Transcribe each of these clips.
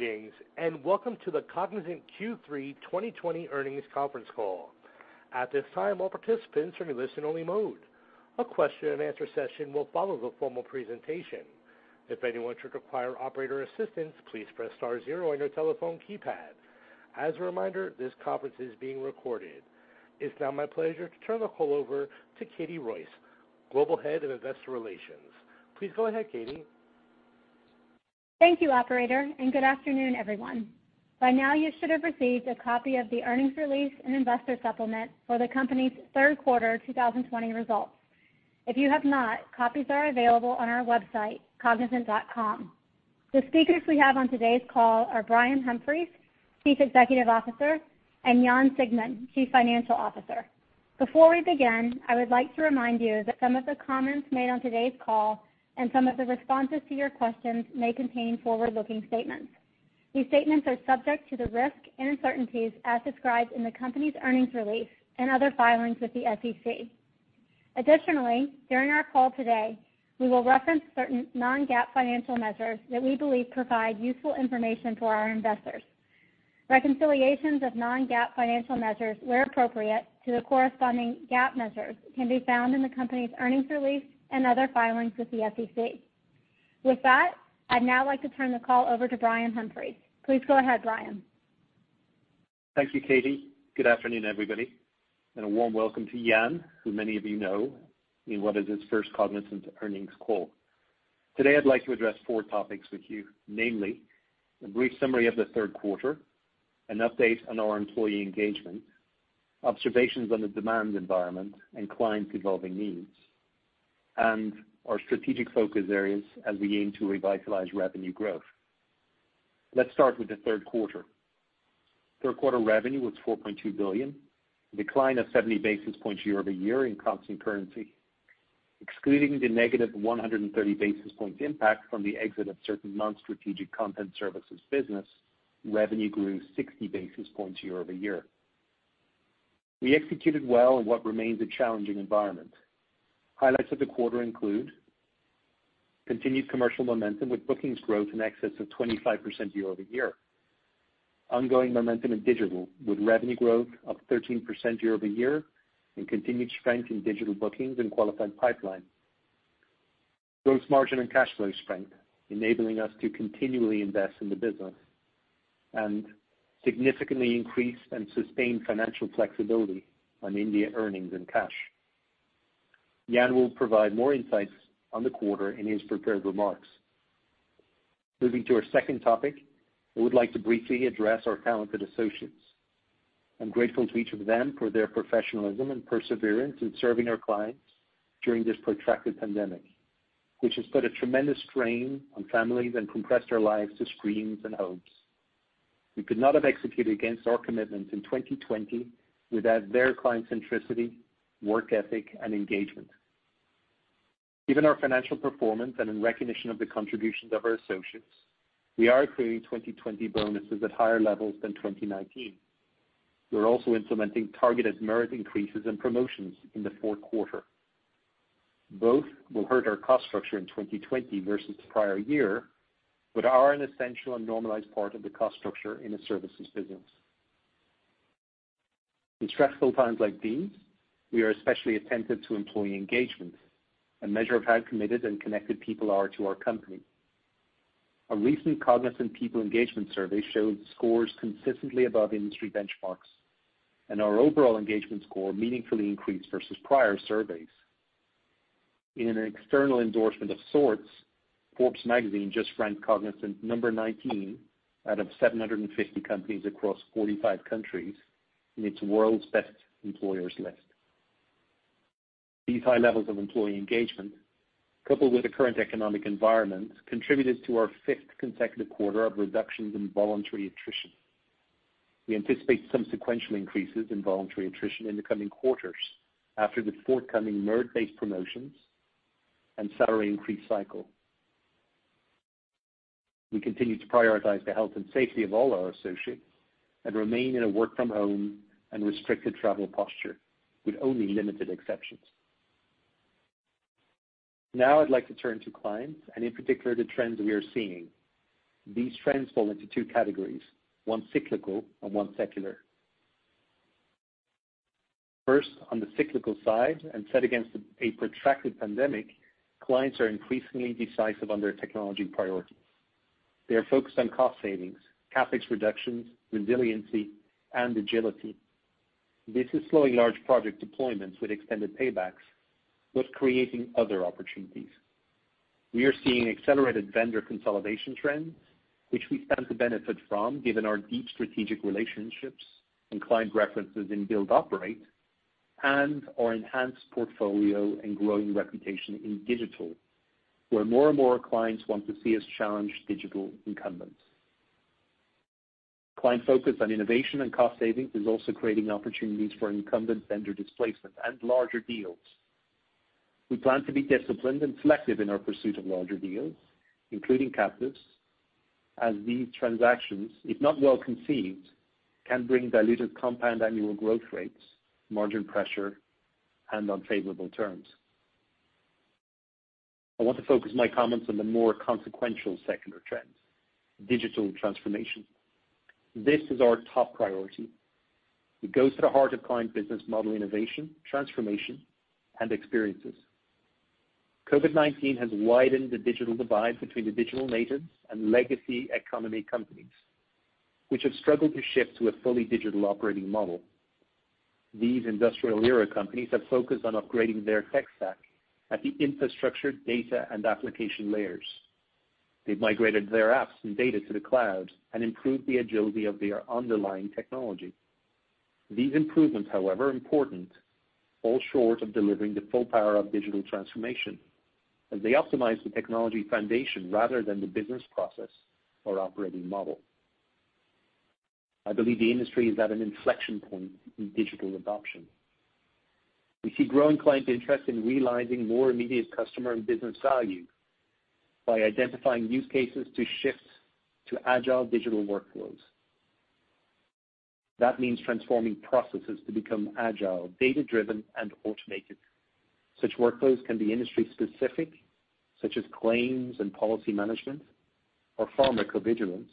Greetings, and welcome to the Cognizant Q3 2020 earnings conference call. At this time all participants are in listen only mode. A question and answer session will follow after the presentation. If anyone requires operator's assistance please press star zero on your telephone keypad. As a reminder, this conference is being recorded. It's now my pleasure to turn the call over to Katie Royce, Global Head of Investor Relations. Please go ahead, Katie. Thank you, operator, and good afternoon, everyone. By now, you should have received a copy of the earnings release and investor supplement for the company's third quarter 2020 results. If you have not, copies are available on our website, cognizant.com. The speakers we have on today's call are Brian Humphries, Chief Executive Officer, and Jan Siegmund, Chief Financial Officer. Before we begin, I would like to remind you that some of the comments made on today's call and some of the responses to your questions may contain forward-looking statements. These statements are subject to the risk and uncertainties as described in the company's earnings release and other filings with the SEC. Additionally, during our call today, we will reference certain non-GAAP financial measures that we believe provide useful information to our investors. Reconciliations of non-GAAP financial measures, where appropriate to the corresponding GAAP measures, can be found in the company's earnings release and other filings with the SEC. With that, I'd now like to turn the call over to Brian Humphries. Please go ahead, Brian. Thank you, Katie. Good afternoon, everybody, and a warm welcome to Jan, who many of you know in what is his first Cognizant earnings call. Today, I'd like to address four topics with you, namely, a brief summary of the third quarter, an update on our employee engagement, observations on the demand environment and clients' evolving needs, and our strategic focus areas as we aim to revitalize revenue growth. Let's start with the third quarter. Third quarter revenue was $4.2 billion, a decline of 70 basis points year-over-year in constant currency. Excluding the negative 130 basis points impact from the exit of certain non-strategic content services business, revenue grew 60 basis points year-over-year. We executed well in what remains a challenging environment. Highlights of the quarter include continued commercial momentum with bookings growth in excess of 25% year-over-year. Ongoing momentum in digital with revenue growth of 13% year-over-year and continued strength in digital bookings and qualified pipeline. Gross margin and cash flow strength enabling us to continually invest in the business and significantly increase and sustain financial flexibility on India earnings and cash. Jan will provide more insights on the quarter in his prepared remarks. Moving to our second topic, I would like to briefly address our talented associates. I'm grateful to each of them for their professionalism and perseverance in serving our clients during this protracted pandemic, which has put a tremendous strain on families and compressed our lives to screens and homes. We could not have executed against our commitments in 2020 without their client centricity, work ethic, and engagement. Given our financial performance and in recognition of the contributions of our associates, we are accruing 2020 bonuses at higher levels than 2019. We're also implementing targeted merit increases and promotions in the fourth quarter. Both will hurt our cost structure in 2020 versus prior year, but are an essential and normalized part of the cost structure in a services business. In stressful times like these, we are especially attentive to employee engagement, a measure of how committed and connected people are to our company. Our recent Cognizant People Engagement Survey showed scores consistently above industry benchmarks, and our overall engagement score meaningfully increased versus prior surveys. In an external endorsement of sorts, Forbes magazine just ranked Cognizant number 19 out of 750 companies across 45 countries in its World's Best Employers list. These high levels of employee engagement, coupled with the current economic environment, contributed to our fifth consecutive quarter of reductions in voluntary attrition. We anticipate some sequential increases in voluntary attrition in the coming quarters after the forthcoming merit-based promotions and salary increase cycle. We continue to prioritize the health and safety of all our associates and remain in a work-from-home and restricted travel posture with only limited exceptions. Now I'd like to turn to clients, and in particular, the trends we are seeing. These trends fall into two categories, one cyclical and one secular. First, on the cyclical side, and set against a protracted pandemic, clients are increasingly decisive on their technology priorities. They are focused on cost savings, CapEx reductions, resiliency, and agility. This is slowing large project deployments with extended paybacks, thus creating other opportunities. We are seeing accelerated vendor consolidation trends, which we stand to benefit from given our deep strategic relationships and client references in build operate, and our enhanced portfolio and growing reputation in digital, where more and more clients want to see us challenge digital incumbents. Client focus on innovation and cost savings is also creating opportunities for incumbent vendor displacement and larger deals. We plan to be disciplined and selective in our pursuit of larger deals, including captives, as these transactions, if not well-conceived, can bring diluted compound annual growth rates, margin pressure, and unfavorable terms. I want to focus my comments on the more consequential secular trends, digital transformation. This is our top priority. It goes to the heart of client business model innovation, transformation, and experiences. COVID-19 has widened the digital divide between the digital natives and legacy economy companies, which have struggled to shift to a fully digital operating model. These industrial-era companies have focused on upgrading their tech stack at the infrastructure, data, and application layers. They've migrated their apps and data to the cloud and improved the agility of their underlying technology. These improvements, however important, fall short of delivering the full power of digital transformation, as they optimize the technology foundation rather than the business process or operating model. I believe the industry is at an inflection point in digital adoption. We see growing client interest in realizing more immediate customer and business value by identifying use cases to shift to agile digital workflows. That means transforming processes to become agile, data-driven, and automated. Such workflows can be industry-specific, such as claims and policy management, or pharmacovigilance,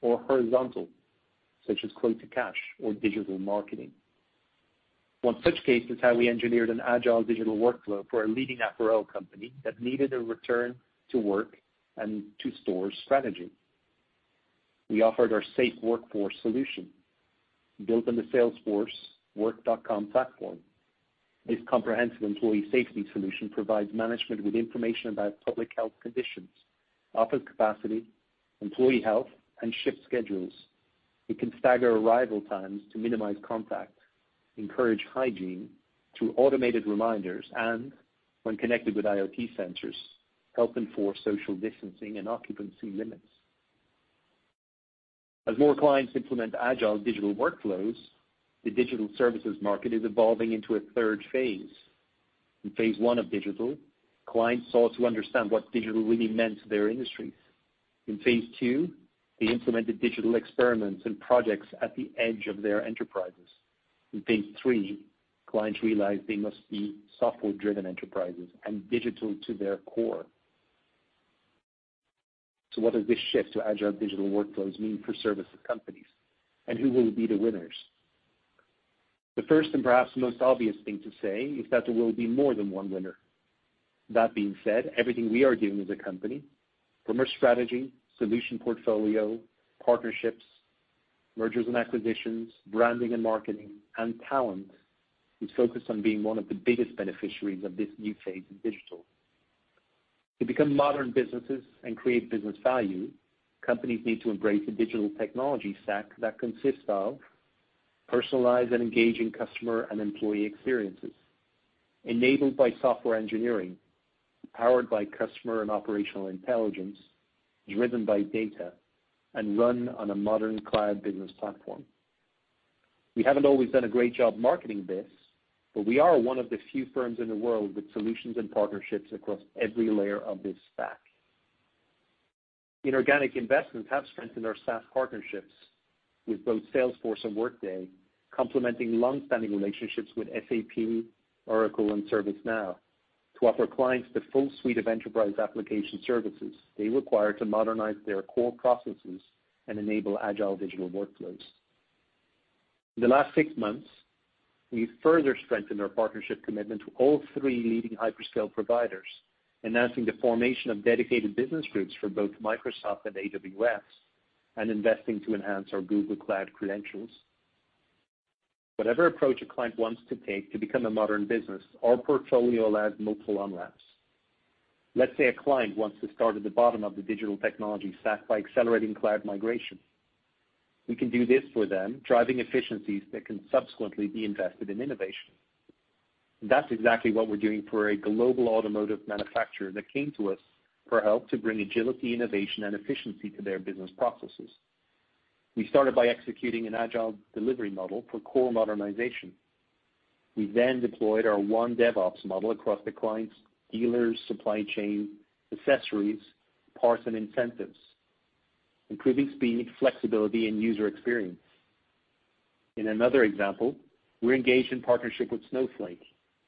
or horizontal, such as quote to cash or digital marketing. One such case is how we engineered an agile digital workflow for a leading apparel company that needed a return-to-work and to-store strategy. We offered our Safe Workforce solution, built on the Salesforce Work.com platform. This comprehensive employee safety solution provides management with information about public health conditions, office capacity, employee health, and shift schedules. It can stagger arrival times to minimize contact, encourage hygiene through automated reminders, and when connected with IoT sensors, help enforce social distancing and occupancy limits. As more clients implement agile digital workflows, the digital services market is evolving into a third phase. In phase one of digital, clients sought to understand what digital really meant to their industries. In phase II, they implemented digital experiments and projects at the edge of their enterprises. In phase III, clients realized they must be software-driven enterprises and digital to their core. What does this shift to agile digital workflows mean for services companies, and who will be the winners? The first and perhaps most obvious thing to say is that there will be more than one winner. That being said, everything we are doing as a company, from our strategy, solution portfolio, partnerships, mergers and acquisitions, branding and marketing, and talent, is focused on being one of the biggest beneficiaries of this new phase in digital. To become modern businesses and create business value, companies need to embrace a digital technology stack that consists of personalized and engaging customer and employee experiences, enabled by software engineering, powered by customer and operational intelligence, driven by data, and run on a modern cloud business platform. We haven't always done a great job marketing this, but we are one of the few firms in the world with solutions and partnerships across every layer of this stack. Inorganic investments have strengthened our SaaS partnerships with both Salesforce and Workday, complementing longstanding relationships with SAP, Oracle, and ServiceNow, to offer clients the full suite of enterprise application services they require to modernize their core processes and enable agile digital workflows. In the last six months, we've further strengthened our partnership commitment to all three leading hyperscale providers, announcing the formation of dedicated business groups for both Microsoft and AWS, and investing to enhance our Google Cloud credentials. Whatever approach a client wants to take to become a modern business, our portfolio allows multiple on-ramps. Let's say a client wants to start at the bottom of the digital technology stack by accelerating cloud migration. We can do this for them, driving efficiencies that can subsequently be invested in innovation. That's exactly what we're doing for a global automotive manufacturer that came to us for help to bring agility, innovation, and efficiency to their business processes. We started by executing an agile delivery model for core modernization. We then deployed our OneDevOps model across the client's dealers, supply chain, accessories, parts, and incentives, improving speed, flexibility, and user experience. In another example, we're engaged in partnership with Snowflake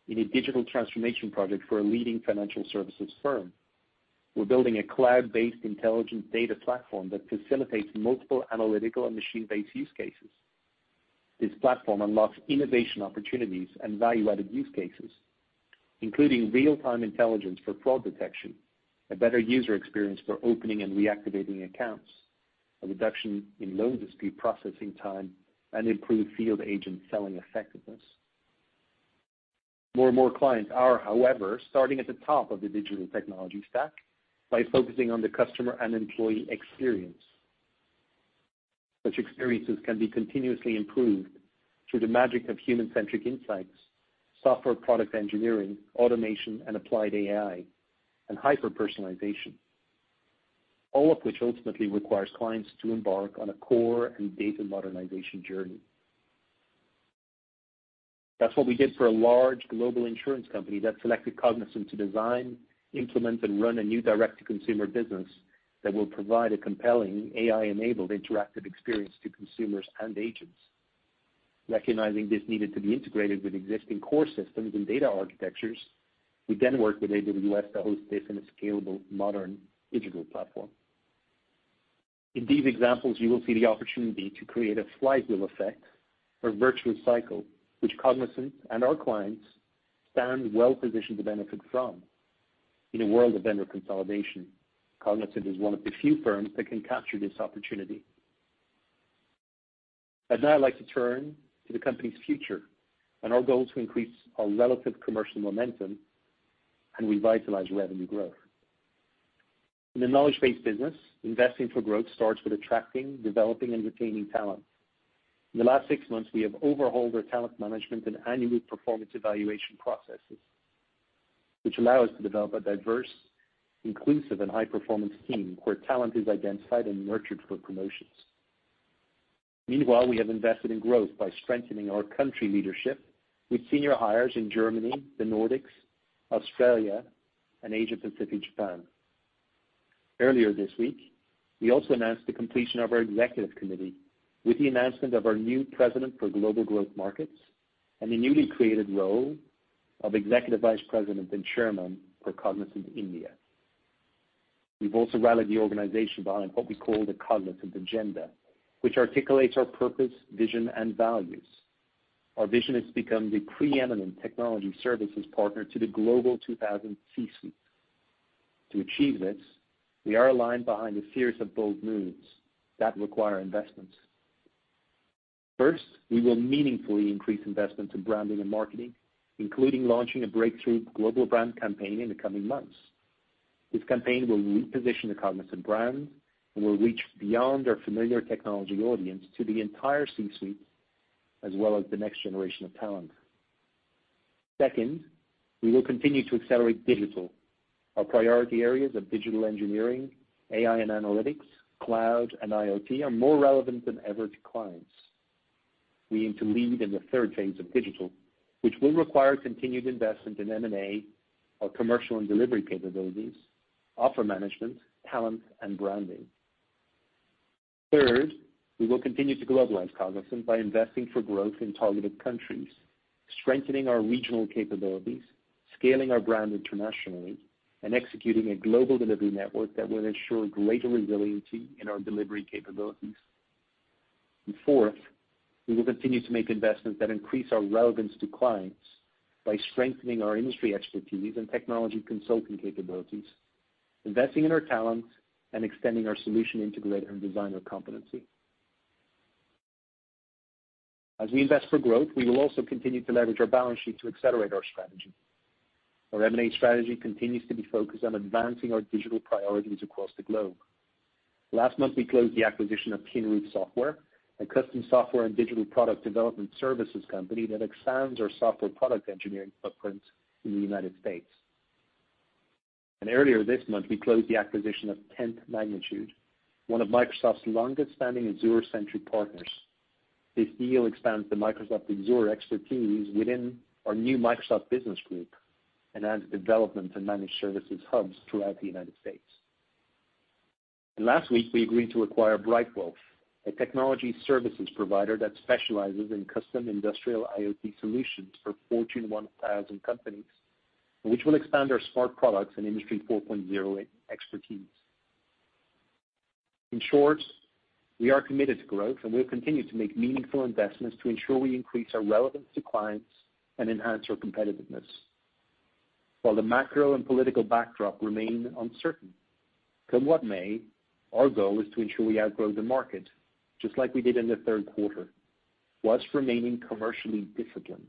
in a digital transformation project for a leading financial services firm. We're building a cloud-based intelligent data platform that facilitates multiple analytical and machine-based use cases. This platform unlocks innovation opportunities and value-added use cases, including real-time intelligence for fraud detection, a better user experience for opening and reactivating accounts, a reduction in loan dispute processing time, and improved field agent selling effectiveness. More and more clients are, however, starting at the top of the digital technology stack by focusing on the customer and employee experience. Such experiences can be continuously improved through the magic of human-centric insights, software product engineering, automation, and applied AI, and hyper-personalization, all of which ultimately requires clients to embark on a core and data modernization journey. That's what we did for a large global insurance company that selected Cognizant to design, implement, and run a new direct-to-consumer business that will provide a compelling AI-enabled interactive experience to consumers and agents. Recognizing this needed to be integrated with existing core systems and data architectures, we worked with AWS to host this in a scalable, modern digital platform. In these examples, you will see the opportunity to create a flywheel effect or virtuous cycle, which Cognizant and our clients stand well-positioned to benefit from. In a world of vendor consolidation, Cognizant is one of the few firms that can capture this opportunity. I'd now like to turn to the company's future and our goal to increase our relative commercial momentum and revitalize revenue growth. In the knowledge-based business, investing for growth starts with attracting, developing, and retaining talent. In the last six months, we have overhauled our talent management and annual performance evaluation processes, which allow us to develop a diverse, inclusive, and high-performance team where talent is identified and nurtured for promotions. Meanwhile, we have invested in growth by strengthening our country leadership with senior hires in Germany, the Nordics, Australia, and Asia Pacific Japan. Earlier this week, we also announced the completion of our executive committee with the announcement of our new President for Global Growth Markets and the newly created role of Executive Vice President and Chairman for Cognizant India. We've also rallied the organization behind what we call the Cognizant Agenda, which articulates our purpose, vision, and values. Our vision is to become the preeminent technology services partner to the Global 2000 C-suite. To achieve this, we are aligned behind a series of bold moves that require investments. First, we will meaningfully increase investment in branding and marketing, including launching a breakthrough global brand campaign in the coming months. This campaign will reposition the Cognizant brand and will reach beyond our familiar technology audience to the entire C-suite, as well as the next generation of talent. Second, we will continue to accelerate digital. Our priority areas of digital engineering, AI and analytics, cloud, and IoT are more relevant than ever to clients. We aim to lead in the third phase of digital, which will require continued investment in M&A, our commercial and delivery capabilities, offer management, talent, and branding. Third, we will continue to globalize Cognizant by investing for growth in targeted countries, strengthening our regional capabilities, scaling our brand internationally, and executing a global delivery network that will ensure greater resiliency in our delivery capabilities. Fourth, we will continue to make investments that increase our relevance to clients by strengthening our industry expertise and technology consulting capabilities, investing in our talent, and extending our solution integrator and designer competency. As we invest for growth, we will also continue to leverage our balance sheet to accelerate our strategy. Our M&A strategy continues to be focused on advancing our digital priorities across the globe. Last month, we closed the acquisition of Tin Roof Software, a custom software and digital product development services company that expands our software product engineering footprint in the U.S. Earlier this month, we closed the acquisition of 10th Magnitude, one of Microsoft's longest-standing Azure-centric partners. This deal expands the Microsoft Azure expertise within our new Microsoft Business Group and adds development and managed services hubs throughout the U.S. Last week, we agreed to acquire Bright Wolf, a technology services provider that specializes in custom industrial IoT solutions for Fortune 1000 companies, and which will expand our smart products and Industry 4.0 expertise. In short, we are committed to growth, and we'll continue to make meaningful investments to ensure we increase our relevance to clients and enhance our competitiveness. While the macro and political backdrop remain uncertain, come what may, our goal is to ensure we outgrow the market, just like we did in the third quarter, while remaining commercially disciplined.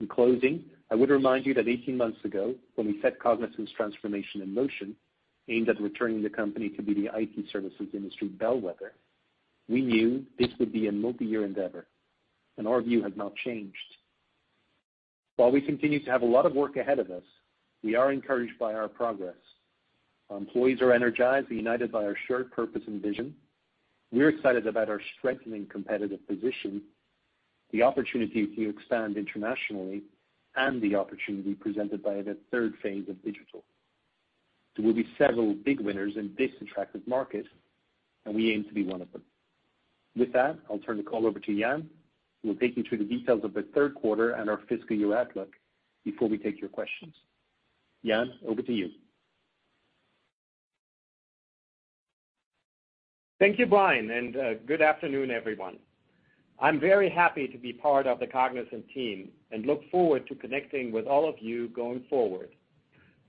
In closing, I would remind you that 18 months ago, when we set Cognizant's transformation in motion aimed at returning the company to be the IT services industry bellwether, we knew this would be a multi-year endeavor, and our view has not changed. While we continue to have a lot of work ahead of us, we are encouraged by our progress. Our employees are energized, united by our shared purpose and vision. We're excited about our strengthening competitive position, the opportunity to expand internationally, and the opportunity presented by the third phase of digital. There will be several big winners in this attractive market, and we aim to be one of them. With that, I'll turn the call over to Jan, who will take you through the details of the third quarter and our fiscal year outlook before we take your questions. Jan, over to you. Thank you, Brian, and good afternoon, everyone. I'm very happy to be part of the Cognizant team and look forward to connecting with all of you going forward.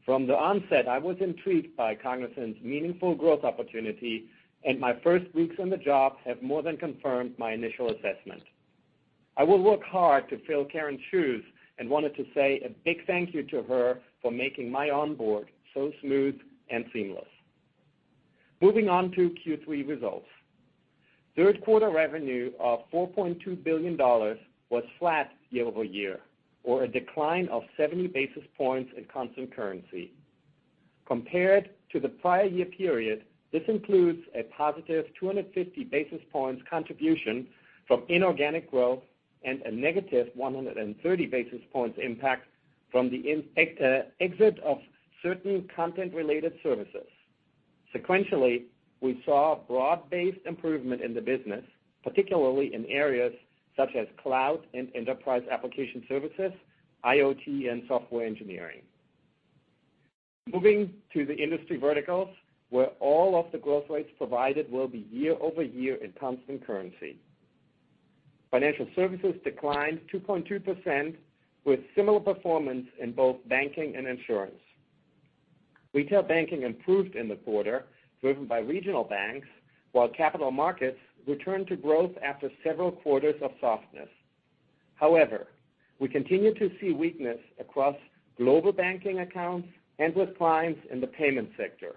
From the onset, I was intrigued by Cognizant's meaningful growth opportunity, and my first weeks on the job have more than confirmed my initial assessment. I will work hard to fill Karen's shoes and wanted to say a big thank you to her for making my onboard so smooth and seamless. Moving on to Q3 results. Third quarter revenue of $4.2 billion was flat year-over-year or a decline of 70 basis points in constant currency. Compared to the prior year period, this includes a positive 250 basis points contribution from inorganic growth and a negative 130 basis points impact from the exit of certain content-related services. Sequentially, we saw broad-based improvement in the business, particularly in areas such as cloud and enterprise application services, IoT, and software engineering. Moving to the industry verticals, where all of the growth rates provided will be year-over-year in constant currency. Financial services declined 2.2%, with similar performance in both banking and insurance. Retail banking improved in the quarter, driven by regional banks, while capital markets returned to growth after several quarters of softness. We continue to see weakness across global banking accounts and with clients in the payment sector.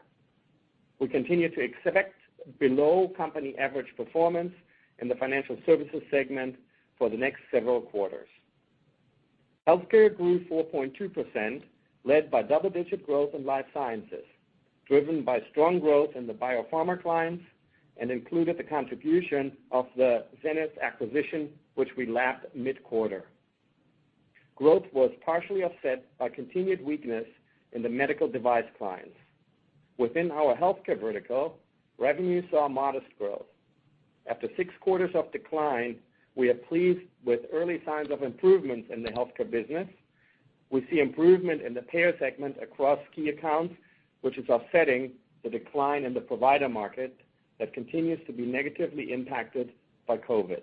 We continue to expect below company average performance in the financial services segment for the next several quarters. Healthcare grew 4.2%, led by double-digit growth in life sciences, driven by strong growth in the biopharma clients, and included the contribution of the Zenith acquisition, which we lapped mid-quarter. Growth was partially offset by continued weakness in the medical device clients. Within our healthcare vertical, revenue saw modest growth. After six quarters of decline, we are pleased with early signs of improvement in the healthcare business. We see improvement in the payer segment across key accounts, which is offsetting the decline in the provider market that continues to be negatively impacted by COVID.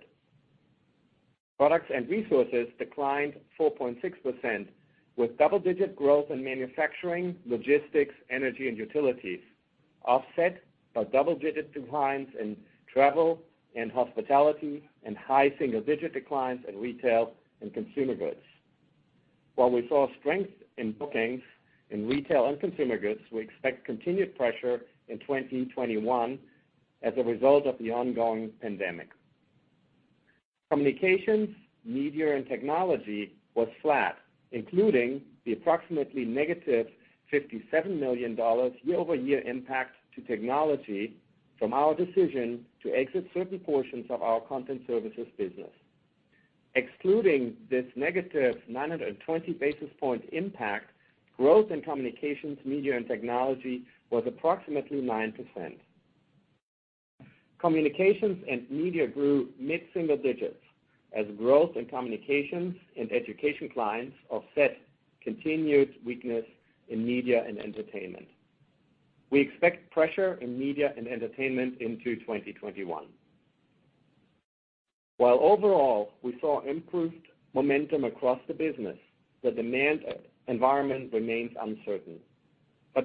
Products and Resources declined 4.6%, with double-digit growth in manufacturing, logistics, energy, and utilities, offset by double-digit declines in travel and hospitality, and high single-digit declines in retail and consumer goods. While we saw strength in bookings in retail and consumer goods, we expect continued pressure in 2021 as a result of the ongoing pandemic. Communications, Media, and Technology was flat, including the approximately negative $57 million year-over-year impact to Technology from our decision to exit certain portions of our content services business. Excluding this negative 920 basis point impact, growth in Communications, Media, and Technology was approximately 9%. Communications and Media grew mid-single digits as growth in communications and education clients offset continued weakness in Media and Entertainment. We expect pressure in Media and Entertainment into 2021. While overall, we saw improved momentum across the business, the demand environment remains uncertain.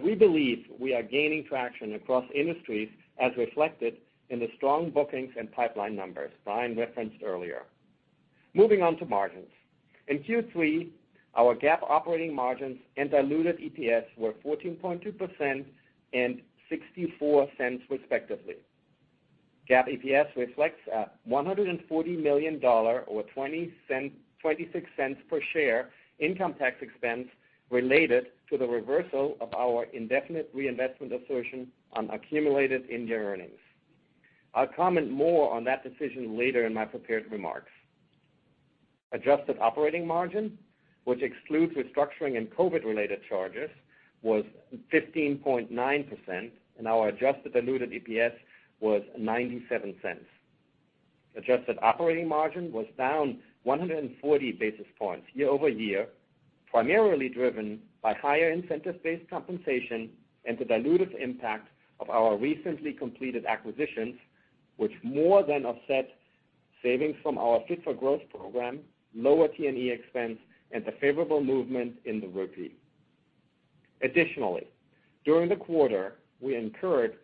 We believe we are gaining traction across industries as reflected in the strong bookings and pipeline numbers Brian referenced earlier. Moving on to margins. In Q3, our GAAP operating margins and diluted EPS were 14.2% and $0.64 respectively. GAAP EPS reflects a $140 million, or $0.26 per share income tax expense related to the reversal of our indefinite reinvestment assertion on accumulated India earnings. I'll comment more on that decision later in my prepared remarks. Adjusted operating margin, which excludes restructuring and COVID-related charges, was 15.9%, and our adjusted diluted EPS was $0.97. Adjusted operating margin was down 140 basis points year-over-year, primarily driven by higher incentive-based compensation and the dilutive impact of our recently completed acquisitions, which more than offset savings from our Fit for Growth program, lower T&E expense, and the favorable movement in the rupee. Additionally, during the quarter, we incurred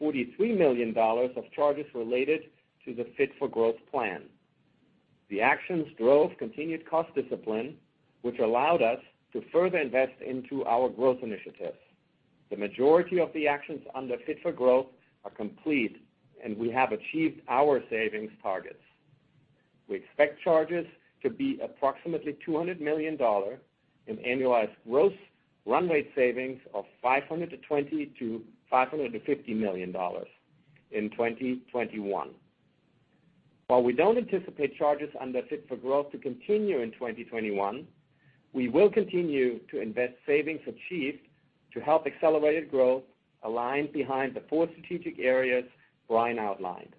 $43 million of charges related to the Fit for Growth plan. The actions drove continued cost discipline, which allowed us to further invest into our growth initiatives. The majority of the actions under Fit for Growth are complete, and we have achieved our savings targets. We expect charges to be approximately $200 million in annualized gross run rate savings of $520 million-$550 million in 2021. While we don't anticipate charges under Fit for Growth to continue in 2021, we will continue to invest savings achieved to help accelerated growth aligned behind the four strategic areas Brian outlined: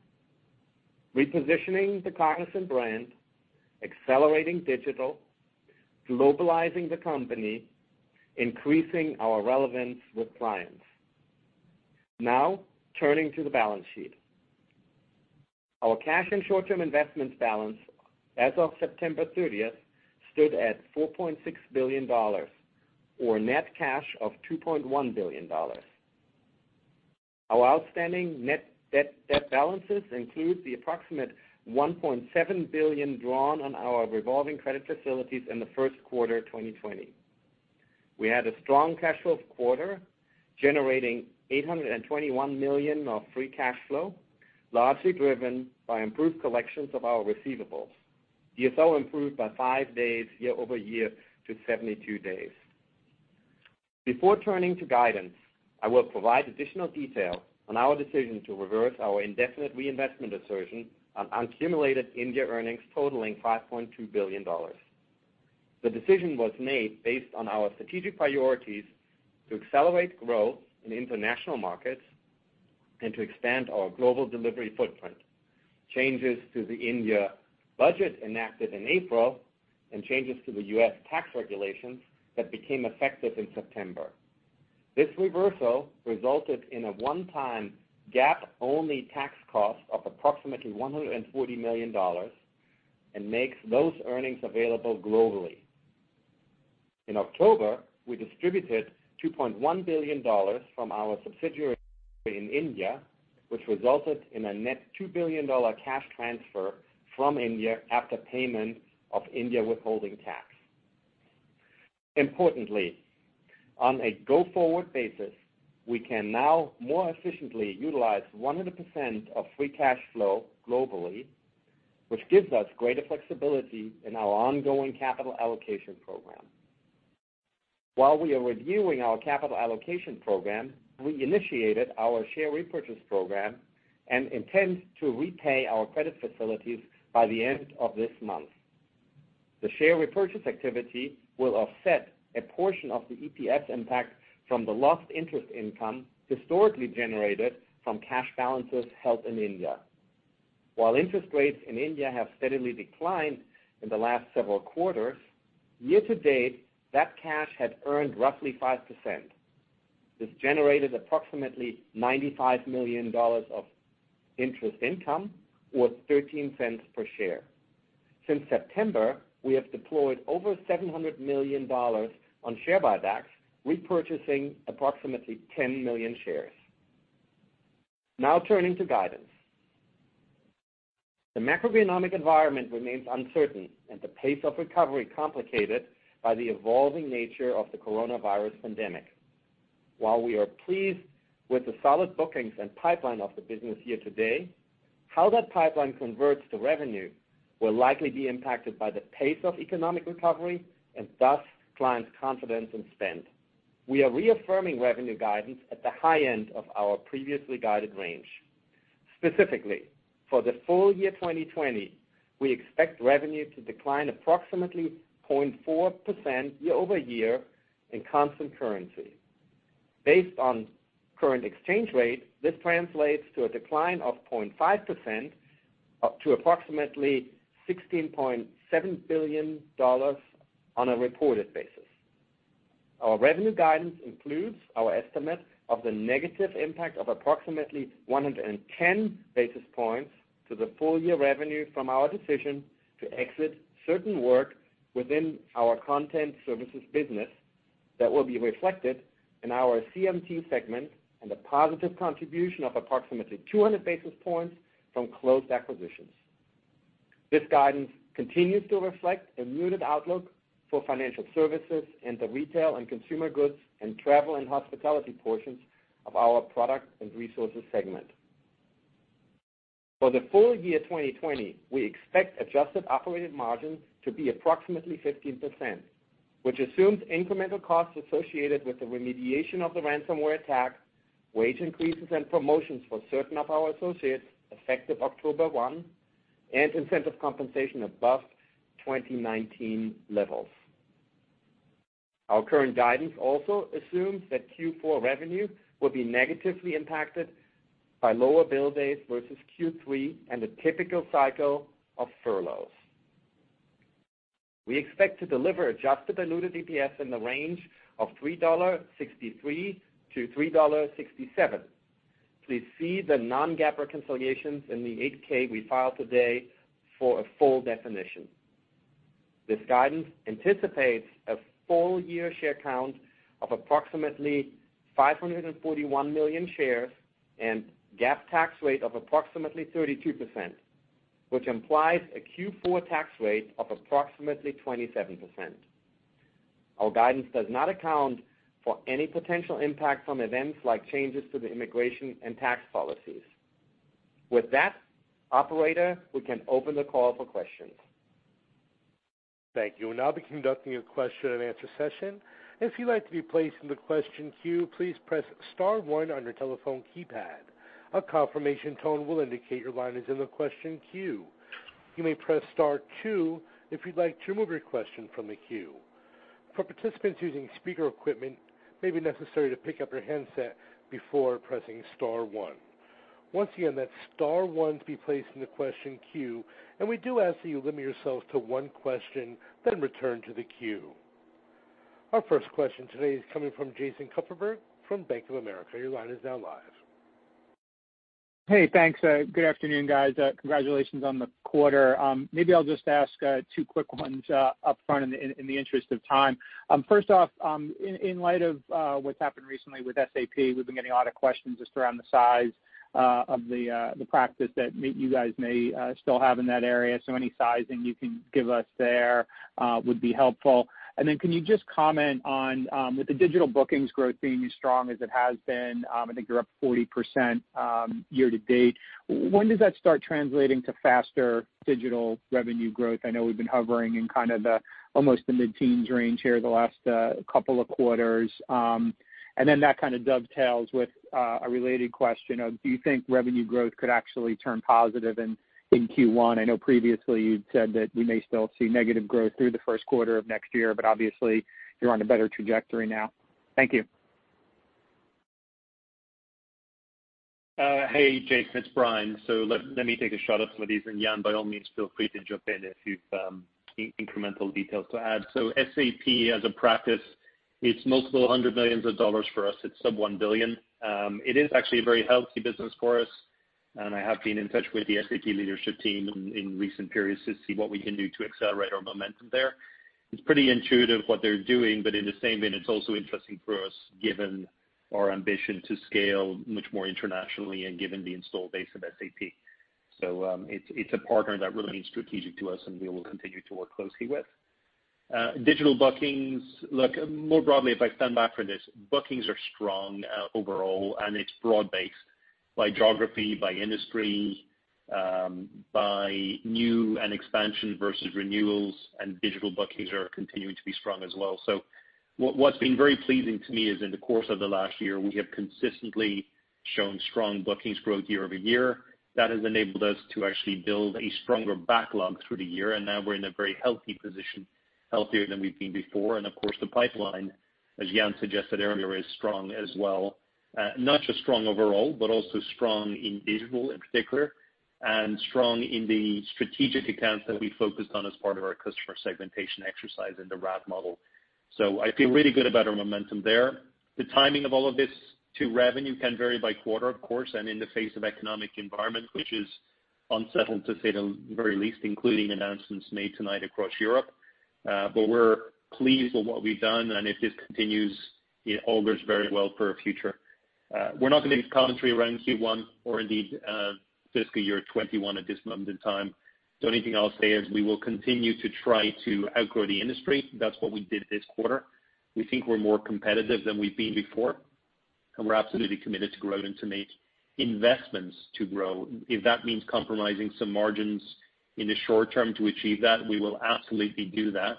repositioning the Cognizant brand, accelerating digital, globalizing the company, increasing our relevance with clients. Turning to the balance sheet. Our cash and short-term investments balance as of September 30th stood at $4.6 billion, or net cash of $2.1 billion. Our outstanding net debt balances include the approximate $1.7 billion drawn on our revolving credit facilities in the first quarter 2020. We had a strong cash flow quarter, generating $821 million of free cash flow, largely driven by improved collections of our receivables. DSO improved by five days year-over-year to 72 days. Before turning to guidance, I will provide additional detail on our decision to reverse our indefinite reinvestment assertion on accumulated India earnings totaling $5.2 billion. The decision was made based on our strategic priorities to accelerate growth in international markets and to expand our global delivery footprint, changes to the India budget enacted in April, and changes to the US tax regulations that became effective in September. This reversal resulted in a one-time GAAP-only tax cost of approximately $140 million and makes those earnings available globally. In October, we distributed $2.1 billion from our subsidiary in India, which resulted in a net $2 billion cash transfer from India after payment of India withholding tax. Importantly, on a go-forward basis, we can now more efficiently utilize 100% of free cash flow globally, which gives us greater flexibility in our ongoing capital allocation program. While we are reviewing our capital allocation program, we initiated our share repurchase program and intend to repay our credit facilities by the end of this month. The share repurchase activity will offset a portion of the EPS impact from the lost interest income historically generated from cash balances held in India. While interest rates in India have steadily declined in the last several quarters, year-to-date, that cash had earned roughly 5%. This generated approximately $95 million of interest income, or $0.13 per share. Since September, we have deployed over $700 million on share buybacks, repurchasing approximately 10 million shares. Now turning to guidance. The macroeconomic environment remains uncertain and the pace of recovery complicated by the evolving nature of the coronavirus pandemic. While we are pleased with the solid bookings and pipeline of the business year-to-date, how that pipeline converts to revenue will likely be impacted by the pace of economic recovery and thus client confidence and spend. We are reaffirming revenue guidance at the high end of our previously guided range. Specifically, for the full year 2020, we expect revenue to decline approximately 0.4% year-over-year in constant currency. Based on current exchange rate, this translates to a decline of 0.5% up to approximately $16.7 billion on a reported basis. Our revenue guidance includes our estimate of the negative impact of approximately 110 basis points to the full year revenue from our decision to exit certain work within our content services business that will be reflected in our CMT segment and a positive contribution of approximately 200 basis points from closed acquisitions. This guidance continues to reflect a muted outlook for financial services and the retail and consumer goods and travel and hospitality portions of our Products and Resources segment. For the full year 2020, we expect adjusted operating margin to be approximately 15%, which assumes incremental costs associated with the remediation of the ransomware attack, wage increases and promotions for certain of our associates effective October 1, and incentive compensation above 2019 levels. Our current guidance also assumes that Q4 revenue will be negatively impacted by lower bill days versus Q3 and the typical cycle of furloughs. We expect to deliver adjusted diluted EPS in the range of $3.63-$3.67. Please see the non-GAAP reconciliations in the 8-K we filed today for a full definition. This guidance anticipates a full-year share count of approximately 541 million shares and GAAP tax rate of approximately 32%, which implies a Q4 tax rate of approximately 27%. Our guidance does not account for any potential impact from events like changes to the immigration and tax policies. With that, operator, we can open the call for questions. Thank you. We'll now be conducting a question and answer session. If you'd like to be placed in the question queue, please press star one on your telephone keypad. A confirmation tone will indicate your line is in the question queue. You may press star two if you'd like to remove your question from the queue. For participants using speaker equipment, it may be necessary to pick up your handset before pressing star one. Once again, that's star one to be placed in the question queue, and we do ask that you limit yourselves to one question, then return to the queue. Our first question today is coming from Jason Kupferberg from Bank of America. Your line is now live. Hey, thanks. Good afternoon, guys. Congratulations on the quarter. Maybe I'll just ask two quick ones up front in the interest of time. First off, in light of what's happened recently with SAP, we've been getting a lot of questions just around the size of the practice that you guys may still have in that area. Any sizing you can give us there would be helpful. Can you just comment on, with the digital bookings growth being as strong as it has been, I think you're up 40% year-to-date, when does that start translating to faster digital revenue growth? I know we've been hovering in kind of almost the mid-teens range here the last couple of quarters. That kind of dovetails with a related question of, do you think revenue growth could actually turn positive in Q1? I know previously you'd said that we may still see negative growth through the first quarter of next year. Obviously you're on a better trajectory now. Thank you. Hey, Jason, it's Brian. Let me take a shot at some of these, and Jan, by all means, feel free to jump in if you've incremental details to add. SAP as a practice, it's multiple hundred millions of dollars for us. It's sub $1 billion. It is actually a very healthy business for us, and I have been in touch with the SAP leadership team in recent periods to see what we can do to accelerate our momentum there. It's pretty intuitive what they're doing, but in the same vein, it's also interesting for us, given our ambition to scale much more internationally and given the install base of SAP. It's a partner that really is strategic to us and we will continue to work closely with. Digital bookings. Look, more broadly, if I stand back for this, bookings are strong overall, and it's broad based by geography, by industry, by new and expansion versus renewals, and digital bookings are continuing to be strong as well. What's been very pleasing to me is in the course of the last year, we have consistently shown strong bookings growth year-over-year. That has enabled us to actually build a stronger backlog through the year, and now we're in a very healthy position, healthier than we've been before. Of course, the pipeline, as Jan suggested earlier, is strong as well. Not just strong overall, but also strong in digital in particular, and strong in the strategic accounts that we focused on as part of our customer segmentation exercise in the RAD model. I feel really good about our momentum there. The timing of all of this to revenue can vary by quarter, of course, and in the face of economic environment, which is unsettled, to say the very least, including announcements made tonight across Europe. We're pleased with what we've done, and if this continues, it augurs very well for our future. We're not going to give commentary around Q1 or indeed fiscal year 2021 at this moment in time. The only thing I'll say is we will continue to try to outgrow the industry. That's what we did this quarter. We think we're more competitive than we've been before, and we're absolutely committed to grow and to make investments to grow. If that means compromising some margins in the short term to achieve that, we will absolutely do that.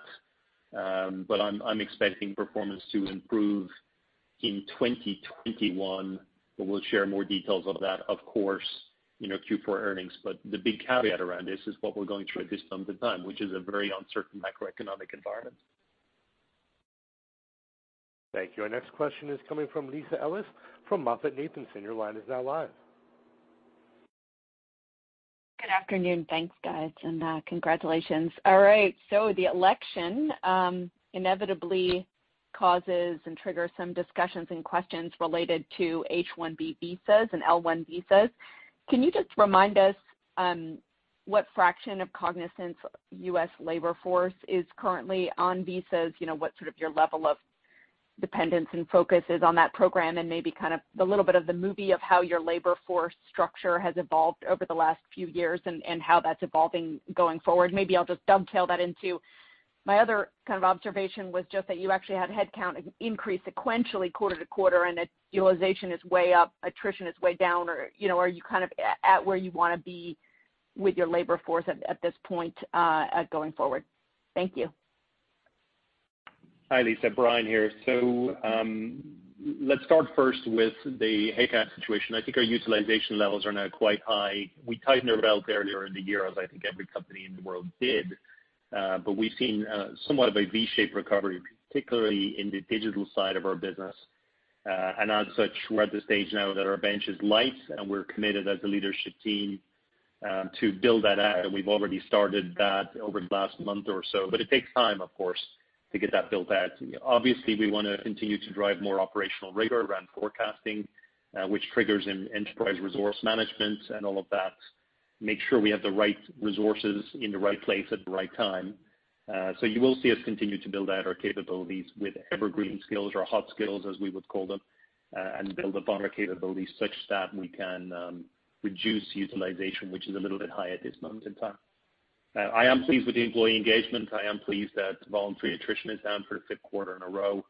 I'm expecting performance to improve in 2021. We'll share more details of that, of course, in our Q4 earnings. The big caveat around this is what we're going through at this moment in time, which is a very uncertain macroeconomic environment. Thank you. Our next question is coming from Lisa Ellis from MoffettNathanson. Your line is now live. Good afternoon. Thanks, guys, and congratulations. All right, the election inevitably causes and triggers some discussions and questions related to H-1B visas and L-1 visas. Can you just remind us what fraction of Cognizant's U.S. labor force is currently on visas? What sort of your level of dependence and focus is on that program? Maybe a little bit of the movie of how your labor force structure has evolved over the last few years and how that's evolving going forward. Maybe I'll just dovetail that into my other observation was just that you actually had headcount increase sequentially quarter-to-quarter, and that utilization is way up, attrition is way down, or are you at where you want to be with your labor force at this point, going forward? Thank you. Hi, Lisa. Brian here. Let's start first with the headcount situation. I think our utilization levels are now quite high. We tightened our belt earlier in the year, as I think every company in the world did. We've seen somewhat of a V-shaped recovery, particularly in the digital side of our business. As such, we're at the stage now that our bench is light and we're committed as a leadership team to build that out, and we've already started that over the last month or so. It takes time, of course, to get that built out. Obviously, we want to continue to drive more operational rigor around forecasting, which triggers Enterprise Resource Planning and all of that, make sure we have the right resources in the right place at the right time. You will see us continue to build out our capabilities with evergreen skills or hot skills, as we would call them, and build up on our capabilities such that we can reduce utilization, which is a little bit high at this moment in time. I am pleased with the employee engagement. I am pleased that voluntary attrition is down for the fifth quarter in a row.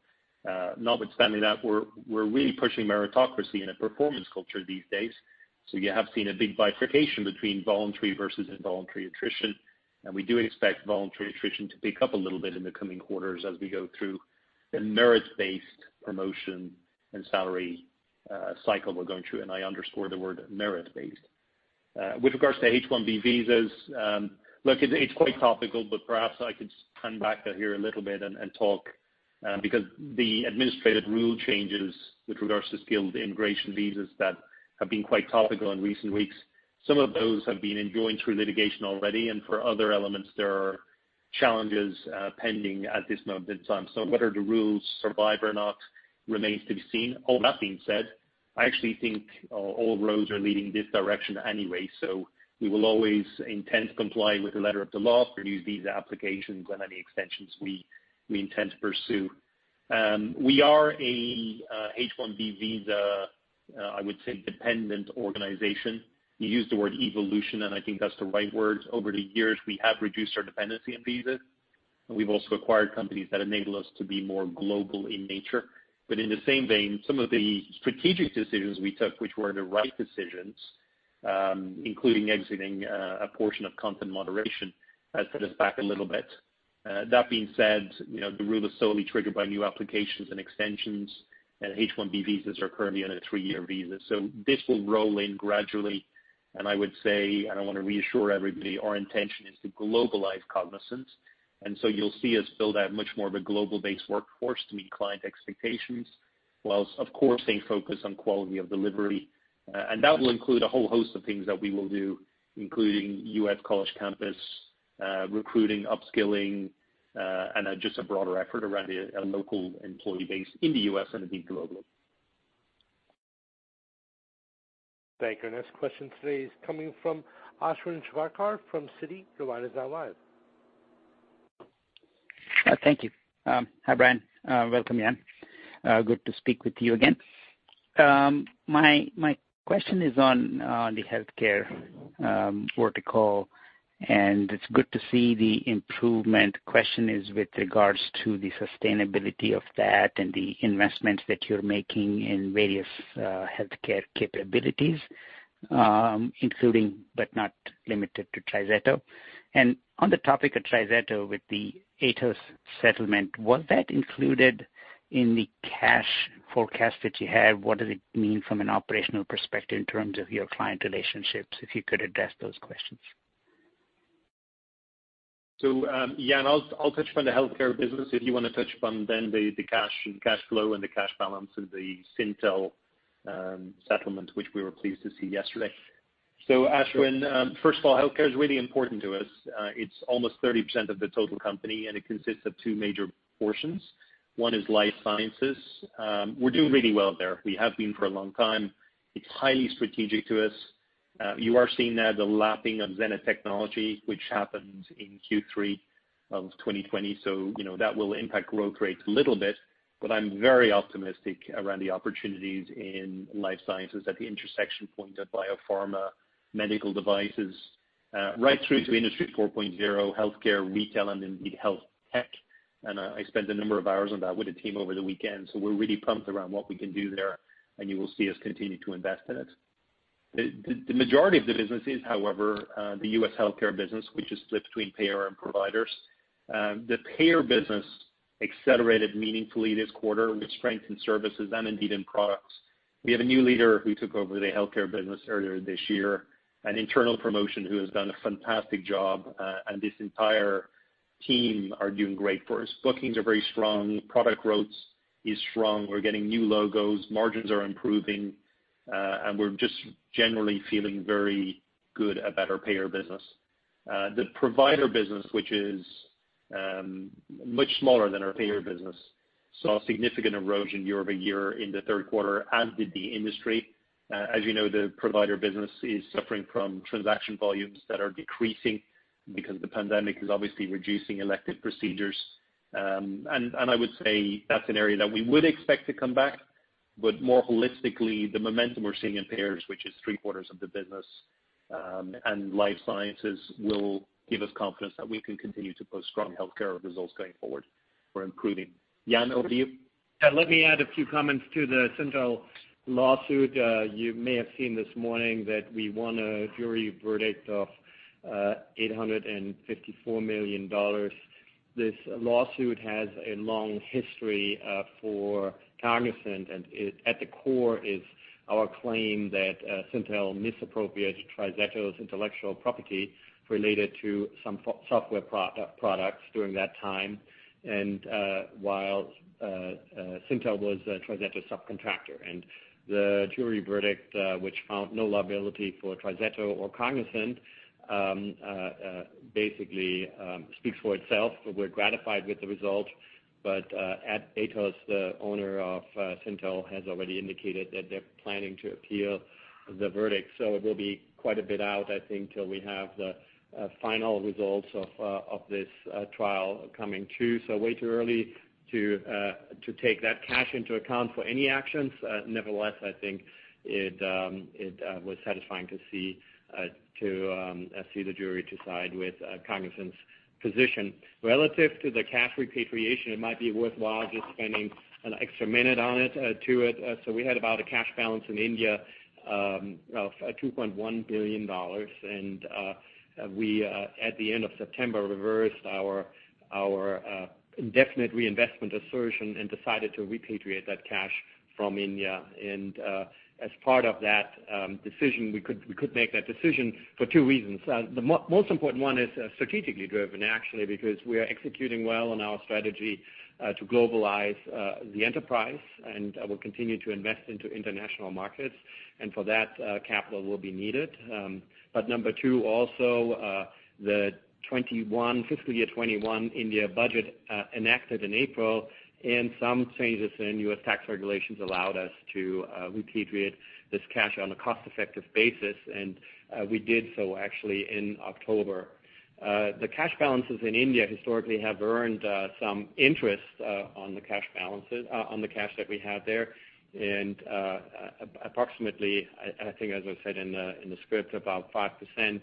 Notwithstanding that, we're really pushing meritocracy in a performance culture these days, so you have seen a big bifurcation between voluntary versus involuntary attrition. We do expect voluntary attrition to pick up a little bit in the coming quarters as we go through the merit-based promotion and salary cycle we're going through, and I underscore the word merit-based. With regards to H-1B visas, look, it's quite topical, but perhaps I could stand back here a little bit and talk, because the administrative rule changes with regards to skilled immigration visas that have been quite topical in recent weeks. Some of those have been enjoined through litigation already, and for other elements, there are challenges pending at this moment in time. Whether the rules survive or not remains to be seen. All that being said, I actually think all roads are leading this direction anyway, so we will always intend to comply with the letter of the law for new visa applications and any extensions we intend to pursue. We are a H-1B visa, I would say, dependent organization. You used the word evolution, and I think that's the right word. Over the years, we have reduced our dependency on visas, and we've also acquired companies that enable us to be more global in nature. In the same vein, some of the strategic decisions we took, which were the right decisions, including exiting a portion of content moderation, has set us back a little bit. That being said, the rule is solely triggered by new applications and extensions, H-1B visas are currently on a three-year visa. This will roll in gradually. I would say, and I want to reassure everybody, our intention is to globalize Cognizant. You'll see us build out much more of a global-based workforce to meet client expectations, whilst of course staying focused on quality of delivery. That will include a whole host of things that we will do, including U.S. college campus, recruiting, upskilling, and just a broader effort around a local employee base in the U.S. and indeed globally. Thank you. Our next question today is coming from Ashwin Shirvaikar from Citi. Your line is now live. Thank you. Hi, Brian. Welcome, Jan. Good to speak with you again. My question is on the healthcare vertical, and it's good to see the improvement. Question is with regards to the sustainability of that and the investments that you're making in various healthcare capabilities, including but not limited to TriZetto. On the topic of TriZetto, with the Atos settlement, was that included in the cash forecast that you have? What does it mean from an operational perspective in terms of your client relationships? If you could address those questions. Jan, I'll touch upon the healthcare business if you want to touch upon then the cash flow and the cash balance of the Syntel settlement, which we were pleased to see yesterday. Ashwin, first of all, healthcare is really important to us. It's almost 30% of the total company, it consists of two major portions. One is life sciences. We're doing really well there. We have been for a long time. It's highly strategic to us. You are seeing there the lapping of Zenith Technologies, which happened in Q3 of 2020. That will impact growth rates a little bit, but I'm very optimistic around the opportunities in life sciences at the intersection point of biopharma, medical devices, right through to Industry 4.0, healthcare, retail, and indeed health tech. I spent a number of hours on that with a team over the weekend. We're really pumped around what we can do there, and you will see us continue to invest in it. The majority of the business is, however, the U.S. healthcare business, which is split between payer and providers. The payer business accelerated meaningfully this quarter with strength in services and indeed in products. We have a new leader who took over the healthcare business earlier this year, an internal promotion, who has done a fantastic job, and this entire team are doing great for us. Bookings are very strong. Product growth is strong. We're getting new logos. Margins are improving. We're just generally feeling very good about our payer business. The provider business, which is much smaller than our payer business, saw significant erosion year-over-year in the third quarter, and did the industry. As you know, the provider business is suffering from transaction volumes that are decreasing because the pandemic is obviously reducing elective procedures. I would say that's an area that we would expect to come back, but more holistically, the momentum we're seeing in payers, which is three-quarters of the business, and life sciences will give us confidence that we can continue to post strong healthcare results going forward. We're improving. Jan, over to you. Yeah, let me add a few comments to the Syntel lawsuit. You may have seen this morning that we won a jury verdict of $854 million. This lawsuit has a long history for Cognizant, and at the core is our claim that Syntel misappropriated TriZetto's intellectual property related to some software products during that time, and while Syntel was TriZetto's subcontractor. The jury verdict, which found no liability for TriZetto or Cognizant, basically speaks for itself. We're gratified with the result. Atos, the owner of Syntel, has already indicated that they're planning to appeal the verdict. It will be quite a bit out, I think, till we have the final results of this trial coming too. Way too early to take that cash into account for any actions. Nevertheless, I think it was satisfying to see the jury decide with Cognizant's position. Relative to the cash repatriation, it might be worthwhile just spending an extra minute on it, to it. We had about a cash balance in India of $2.1 billion. We, at the end of September, reversed our indefinite reinvestment assertion and decided to repatriate that cash from India. As part of that decision, we could make that decision for two reasons. The most important one is strategically driven, actually, because we are executing well on our strategy to globalize the enterprise, and we'll continue to invest into international markets. For that, capital will be needed. Number two, also, the fiscal year 2021 India budget enacted in April, and some changes in U.S. tax regulations allowed us to repatriate this cash on a cost-effective basis, and we did so actually in October. The cash balances in India historically have earned some interest on the cash that we have there. Approximately, I think as I said in the script, about 5%.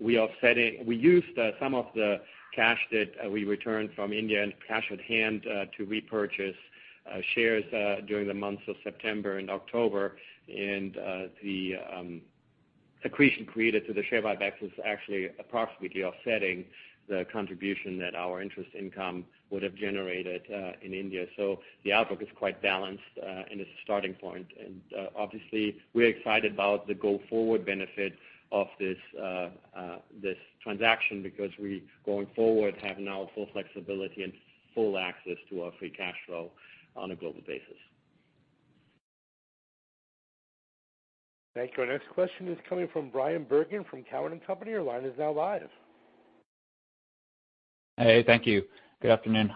We used some of the cash that we returned from India and cash at hand to repurchase shares during the months of September and October. Accretion created through the share buybacks is actually approximately offsetting the contribution that our interest income would have generated in India. The outlook is quite balanced, and it's a starting point. Obviously, we're excited about the go-forward benefit of this transaction because we, going forward, have now full flexibility and full access to our free cash flow on a global basis. Thank you. Our next question is coming from Bryan Bergin from Cowen and Company. Your line is now live. Hey, thank you. Good afternoon.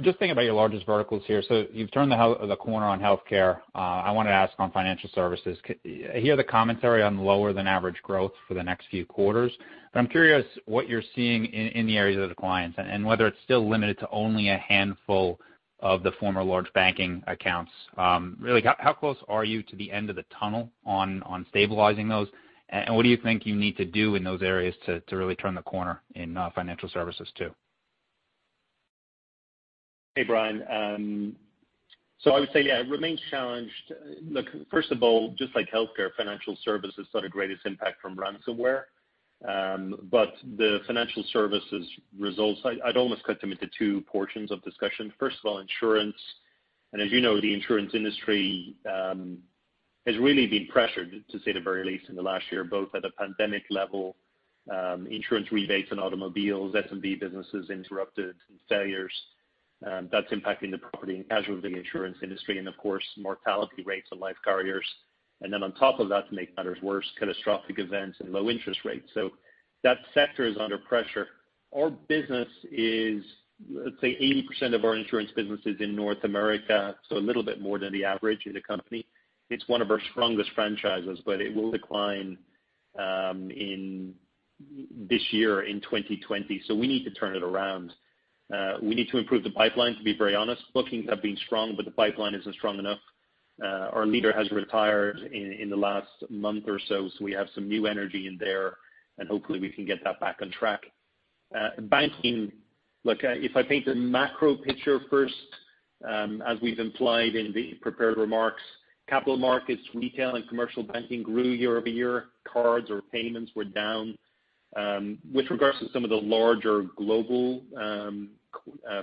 Just thinking about your largest verticals here, you've turned the corner on healthcare. I want to ask on financial services. I hear the commentary on lower than average growth for the next few quarters, I'm curious what you're seeing in the areas of the clients, and whether it's still limited to only a handful of the former large banking accounts. Really, how close are you to the end of the tunnel on stabilizing those, and what do you think you need to do in those areas to really turn the corner in financial services, too? Hey, Bryan. I would say, yeah, it remains challenged. Look, first of all, just like healthcare, financial services saw the greatest impact from ransomware. The financial services results, I'd almost cut them into two portions of discussion. First of all, insurance. As you know, the insurance industry has really been pressured, to say the very least, in the last year, both at a pandemic level, insurance rebates on automobiles, SMB businesses interrupted, and failures. That's impacting the property and casualty insurance industry, and of course, mortality rates and life carriers. On top of that, to make matters worse, catastrophic events and low interest rates. That sector is under pressure. Our business is, let's say, 80% of our insurance business is in North America, so a little bit more than the average of the company. It's one of our strongest franchises, but it will decline this year in 2020, so we need to turn it around. We need to improve the pipeline, to be very honest. Bookings have been strong, but the pipeline isn't strong enough. Our leader has retired in the last month or so we have some new energy in there, and hopefully we can get that back on track. Banking, look, if I paint the macro picture first, as we've implied in the prepared remarks, capital markets, retail and commercial banking grew year-over-year. Cards or payments were down. With regards to some of the larger global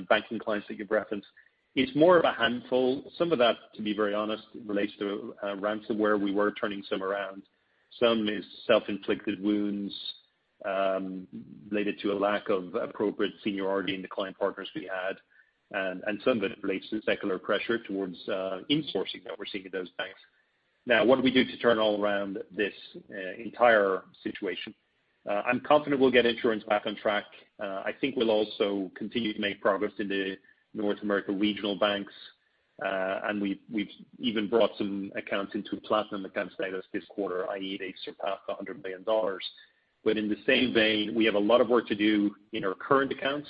banking clients that you referenced, it's more of a handful. Some of that, to be very honest, relates to ransomware. We were turning some around. Some is self-inflicted wounds related to a lack of appropriate seniority in the client partners we had, and some of it relates to secular pressure towards insourcing that we're seeing at those banks. What do we do to turn all around this entire situation? I'm confident we'll get insurance back on track. I think we'll also continue to make progress in the North America regional banks. We've even brought some accounts into platinum account status this quarter, i.e. they surpassed $100 million. In the same vein, we have a lot of work to do in our current accounts,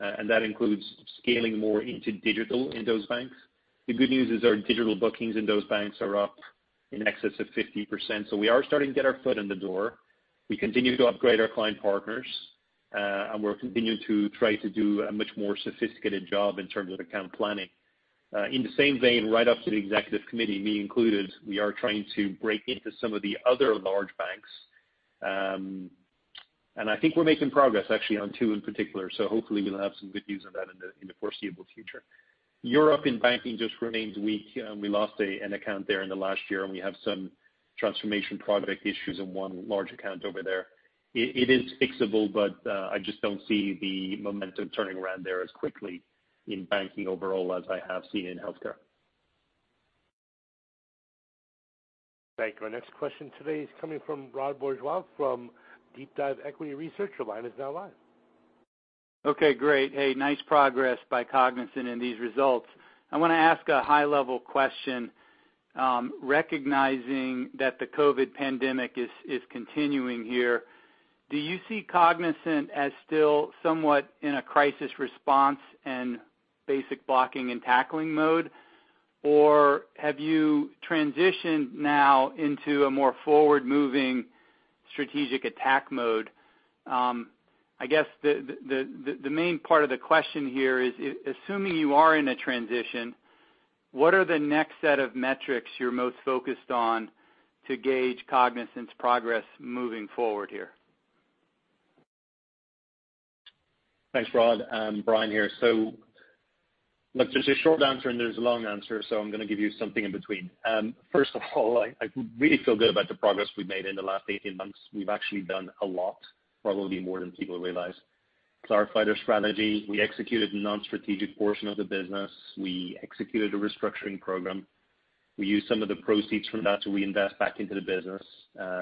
and that includes scaling more into digital in those banks. The good news is our digital bookings in those banks are up in excess of 50%, we are starting to get our foot in the door. We continue to upgrade our client partners, we'll continue to try to do a much more sophisticated job in terms of account planning. In the same vein, right up to the executive committee, me included, we are trying to break into some of the other large banks. I think we're making progress, actually, on two in particular, hopefully we'll have some good news on that in the foreseeable future. Europe in banking just remains weak. We lost an account there in the last year, we have some transformation project issues in one large account over there. It is fixable, I just don't see the momentum turning around there as quickly in banking overall as I have seen in healthcare. Thank you. Our next question today is coming from Rod Bourgeois from DeepDive Equity Research. Your line is now live. Great. Hey, nice progress by Cognizant in these results. I want to ask a high-level question, recognizing that the COVID pandemic is continuing here. Do you see Cognizant as still somewhat in a crisis response and basic blocking and tackling mode, or have you transitioned now into a more forward-moving strategic attack mode? I guess the main part of the question here is, assuming you are in a transition, what are the next set of metrics you're most focused on to gauge Cognizant's progress moving forward here? Thanks, Rod. Brian here. Look, there's a short answer and there's a long answer, so I'm going to give you something in between. First of all, I really feel good about the progress we've made in the last 18 months. We've actually done a lot, probably more than people realize. [Starfighter] strategy, we executed the non-strategic portion of the business. We executed a restructuring program. We used some of the proceeds from that to reinvest back into the business.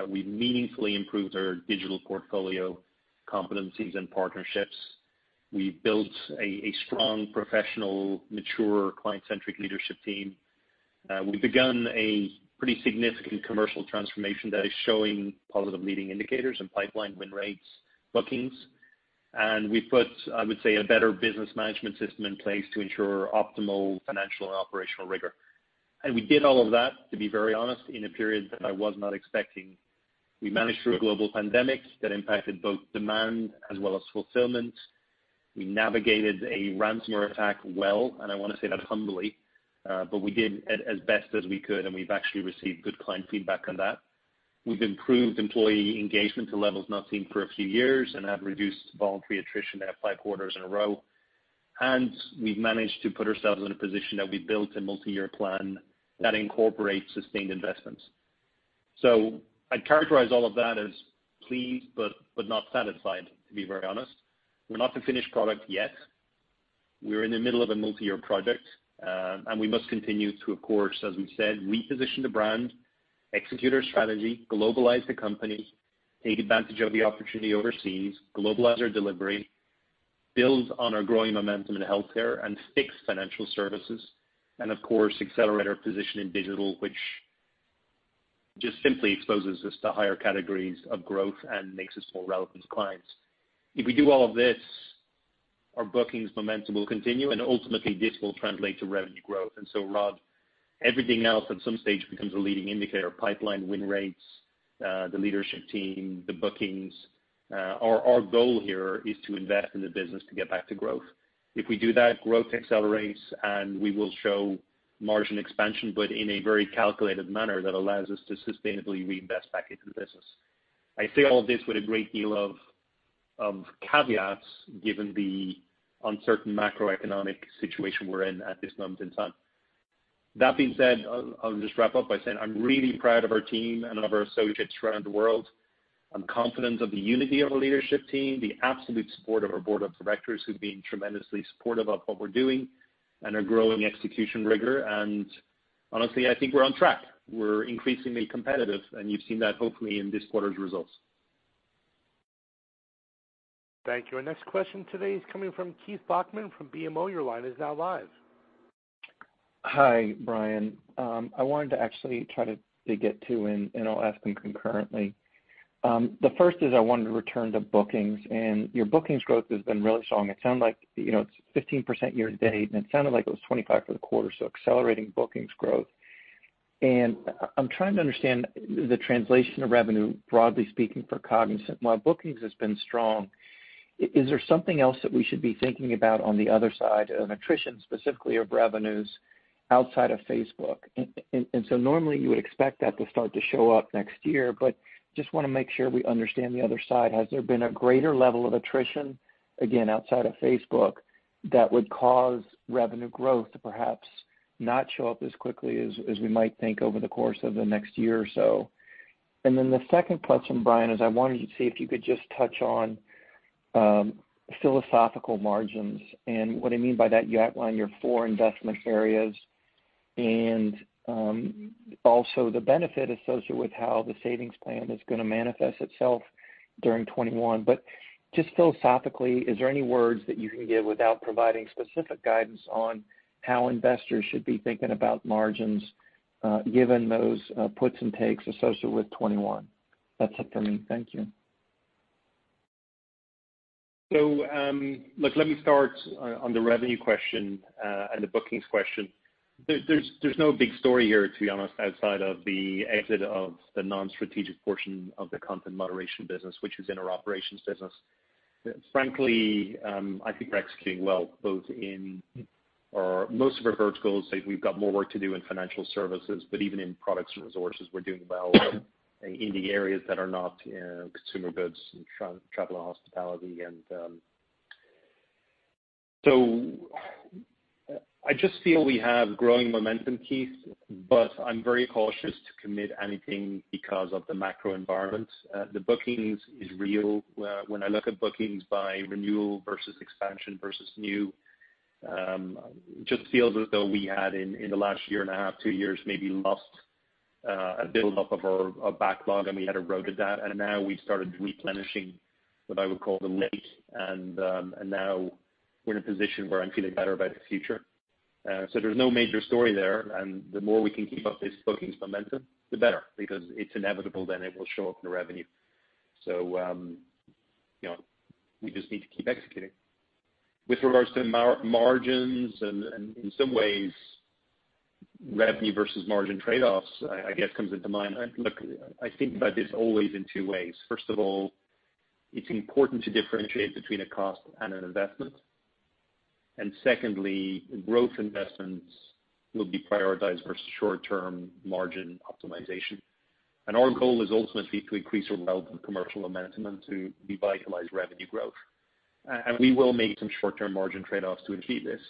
We meaningfully improved our digital portfolio competencies and partnerships. We built a strong, professional, mature, client-centric leadership team. We've begun a pretty significant commercial transformation that is showing positive leading indicators in pipeline win rates, bookings. We put, I would say, a better business management system in place to ensure optimal financial and operational rigor. We did all of that, to be very honest, in a period that I was not expecting. We managed through a global pandemic that impacted both demand as well as fulfillment. We navigated a ransomware attack well, and I want to say that humbly, but we did as best as we could, and we've actually received good client feedback on that. We've improved employee engagement to levels not seen for a few years and have reduced voluntary attrition now five quarters in a row. We've managed to put ourselves in a position that we built a multi-year plan that incorporates sustained investments. I'd characterize all of that as pleased but not satisfied, to be very honest. We're not the finished product yet. We're in the middle of a multi-year project, and we must continue to, of course, as we said, reposition the brand, execute our strategy, globalize the company, take advantage of the opportunity overseas, globalize our delivery, build on our growing momentum in healthcare, and fix financial services, and of course, accelerate our position in digital, which just simply exposes us to higher categories of growth and makes us more relevant to clients. Rod, everything else at some stage becomes a leading indicator, pipeline win rates, the leadership team, the bookings. Our goal here is to invest in the business to get back to growth. If we do that, growth accelerates, and we will show margin expansion, but in a very calculated manner that allows us to sustainably reinvest back into the business. I say all this with a great deal of caveats given the uncertain macroeconomic situation we're in at this moment in time. That being said, I'll just wrap up by saying I'm really proud of our team and of our associates around the world. I'm confident of the unity of our leadership team, the absolute support of our board of directors, who've been tremendously supportive of what we're doing, and our growing execution rigor. Honestly, I think we're on track. We're increasingly competitive, and you've seen that hopefully in this quarter's results. Thank you. Our next question today is coming from Keith Bachman from BMO. Hi, Brian. I wanted to actually try to get two in, and I'll ask them concurrently. The first is I wanted to return to bookings. Your bookings growth has been really strong. It sounded like it's 15% year-to-date. It sounded like it was 25% for the quarter, so accelerating bookings growth. I'm trying to understand the translation of revenue, broadly speaking, for Cognizant. While bookings has been strong, is there something else that we should be thinking about on the other side of attrition, specifically of revenues outside of Facebook? Normally you would expect that to start to show up next year, but just want to make sure we understand the other side. Has there been a greater level of attrition, again, outside of Facebook, that would cause revenue growth to perhaps not show up as quickly as we might think over the course of the next year or so? The second question, Brian, is I wanted to see if you could just touch on philosophical margins and what I mean by that, you outlined your four investment areas and also the benefit associated with how the savings plan is going to manifest itself during 2021. Just philosophically, is there any words that you can give without providing specific guidance on how investors should be thinking about margins given those puts and takes associated with 2021? That's it for me. Thank you. Look, let me start on the revenue question and the bookings question. There's no big story here, to be honest, outside of the exit of the non-strategic portion of the content moderation business, which is in our operations business. Frankly, I think we're executing well, both in most of our verticals. We've got more work to do in financial services, but even in products and resources, we're doing well in the areas that are not consumer goods and travel and hospitality. I just feel we have growing momentum, Keith, but I'm very cautious to commit anything because of the macro environment. The bookings is real. When I look at bookings by renewal versus expansion versus new, it just feels as though we had in the last year and a half, two years, maybe lost a buildup of our backlog, and we had eroded that. Now we've started replenishing what I would call the lake, and now we're in a position where I'm feeling better about the future. There's no major story there, and the more we can keep up this bookings momentum, the better, because it's inevitable then it will show up in the revenue. We just need to keep executing. With regards to margins, and in some ways, revenue versus margin trade-offs, I guess, comes into mind. Look, I think about this always in two ways. First of all, it's important to differentiate between a cost and an investment. Secondly, growth investments will be prioritized versus short-term margin optimization. Our goal is ultimately to increase our relevant commercial momentum and to revitalize revenue growth. We will make some short-term margin trade-offs to achieve this.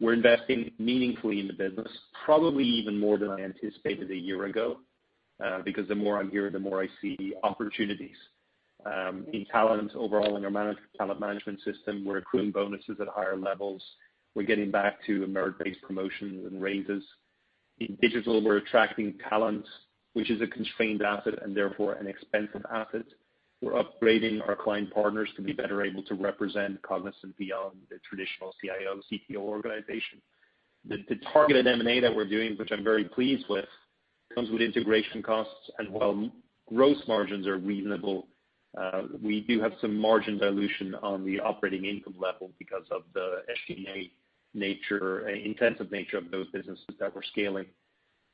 We're investing meaningfully in the business, probably even more than I anticipated a year ago, because the more I'm here, the more I see opportunities. In talent overall, in our talent management system, we're accruing bonuses at higher levels. We're getting back to merit-based promotions and raises. In digital, we're attracting talent, which is a constrained asset and therefore an expensive asset. We're upgrading our client partners to be better able to represent Cognizant beyond the traditional CIO, CTO organization. The targeted M&A that we're doing, which I'm very pleased with, comes with integration costs, and while gross margins are reasonable, we do have some margin dilution on the operating income level because of the SG&A nature, intensive nature of those businesses that we're scaling.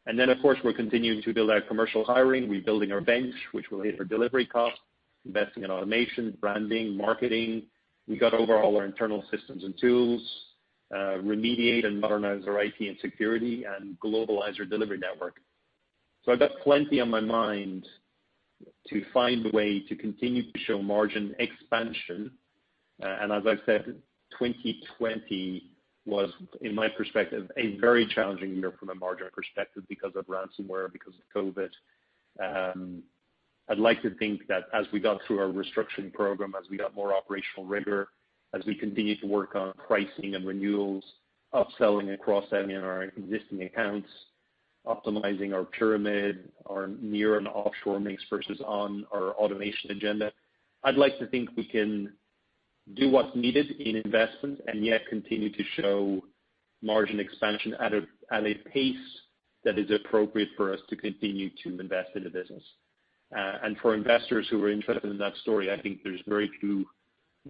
Of course, we're continuing to build our commercial hiring. We're building our bench, which will aid our delivery costs, investing in automation, branding, marketing. We've got overall our internal systems and tools, remediate and modernize our IT and security, globalize our delivery network. I've got plenty on my mind to find a way to continue to show margin expansion. As I've said, 2020 was, in my perspective, a very challenging year from a margin perspective because of ransomware, because of COVID. I'd like to think that as we got through our restructuring program, as we got more operational rigor, as we continue to work on pricing and renewals, upselling and cross-selling our existing accounts, optimizing our pyramid, our near and offshore mix versus on our automation agenda, I'd like to think we can do what's needed in investment and yet continue to show margin expansion at a pace that is appropriate for us to continue to invest in the business. For investors who are interested in that story, I think there's very few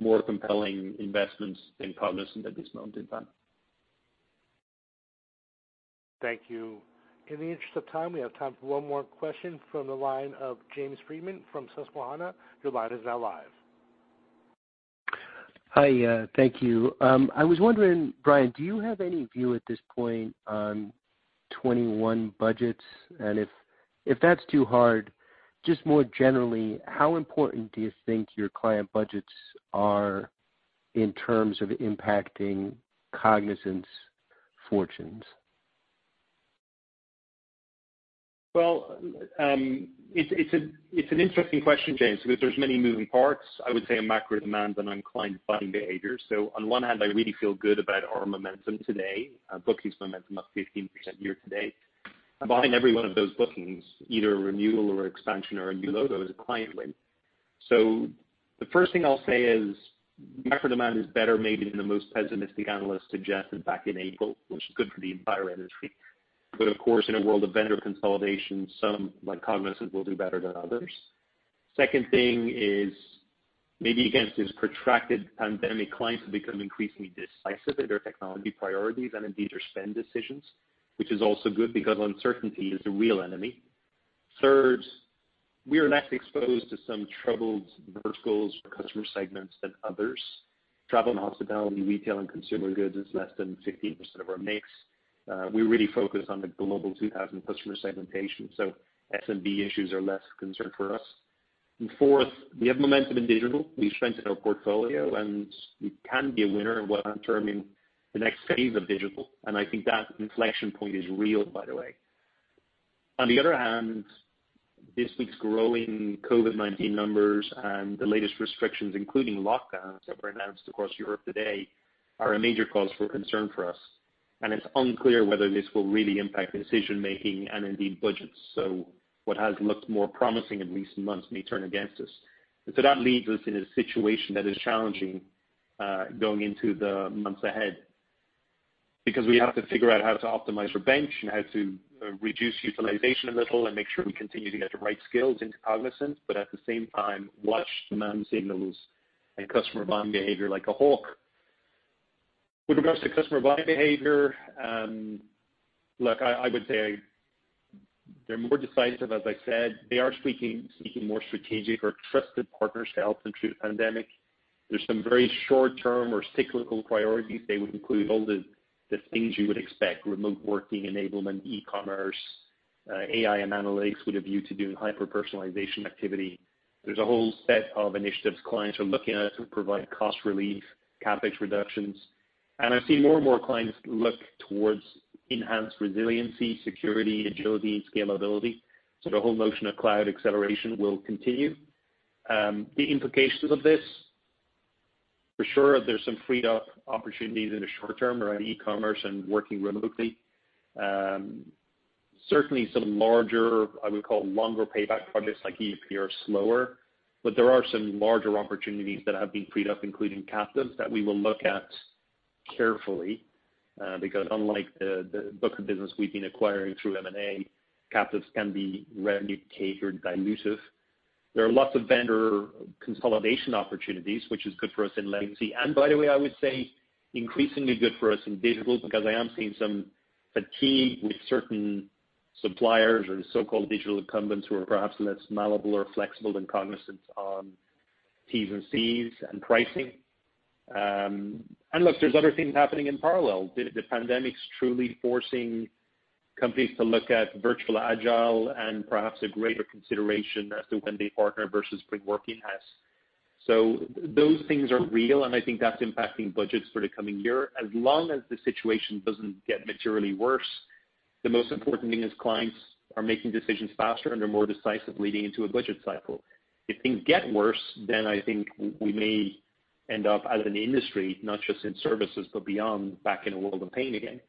more compelling investments than Cognizant at this moment in time. Thank you. In the interest of time, we have time for one more question from the line of James Friedman from Susquehanna. Your line is now live. Hi. Thank you. I was wondering, Brian, do you have any view at this point on 2021 budgets? If that's too hard, just more generally, how important do you think your client budgets are in terms of impacting Cognizant's fortunes? Well, it's an interesting question, James, because there's many moving parts, I would say, in macro demand and on client buying behavior. On one hand, I really feel good about our momentum today, bookings momentum up 15% year-to-date. Behind every one of those bookings, either a renewal or expansion or a new logo is a client win. The first thing I'll say is macro demand is better maybe than the most pessimistic analysts suggested back in April, which is good for the entire industry. Of course, in a world of vendor consolidation, some like Cognizant will do better than others. Second thing is maybe against this protracted pandemic, clients have become increasingly decisive in their technology priorities and indeed their spend decisions, which is also good because uncertainty is the real enemy. Third, we are less exposed to some troubled verticals or customer segments than others. Travel and hospitality, retail, and consumer goods is less than 15% of our mix. We really focus on the Global 2000 customer segmentation, SMB issues are less concern for us. Fourth, we have momentum in digital. We've strengthened our portfolio, and we can be a winner in one term in the next phase of digital. I think that inflection point is real, by the way. On the other hand, this week's growing COVID-19 numbers and the latest restrictions, including lockdowns that were announced across Europe today, are a major cause for concern for us, and it's unclear whether this will really impact decision-making and indeed budgets. What has looked more promising in recent months may turn against us. That leaves us in a situation that is challenging, going into the months ahead because we have to figure out how to optimize our bench and how to reduce utilization a little and make sure we continue to get the right skills into Cognizant, but at the same time, watch demand signals and customer buying behavior like a hawk. With regards to customer buying behavior, look, I would say they're more decisive, as I said. They are seeking more strategic or trusted partners to help them through the pandemic. There's some very short-term or cyclical priorities. They would include all the things you would expect, remote working enablement, e-commerce, AI and analytics with a view to doing hyper-personalization activity. There's a whole set of initiatives clients are looking at to provide cost relief, CapEx reductions. I see more and more clients look towards enhanced resiliency, security, agility, scalability. The whole notion of cloud acceleration will continue. The implications of this, for sure, there's some freed-up opportunities in the short term around e-commerce and working remotely. Certainly, some larger, I would call longer payback projects like ERP are slower, but there are some larger opportunities that have been freed up, including captives that we will look at carefully, because unlike the book of business we've been acquiring through M&A, captives can be readily accretive, dilutive. There are lots of vendor consolidation opportunities, which is good for us in legacy. By the way, I would say increasingly good for us in digital because I am seeing some fatigue with certain suppliers or so-called digital incumbents who are perhaps less malleable or flexible than Cognizant on Ts and Cs and pricing. Look, there's other things happening in parallel. The pandemic's truly forcing companies to look at virtual Agile and perhaps a greater consideration as to when they partner versus bring work in-house. Those things are real, and I think that's impacting budgets for the coming year. As long as the situation doesn't get materially worse, the most important thing is clients are making decisions faster and are more decisive leading into a budget cycle. If things get worse, then I think we may end up as an industry, not just in services, but beyond, back in a world of pain again.